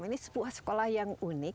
ini sebuah sekolah yang unik